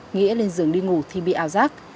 nghĩa lên giường đi ngủ thì bị ảo giác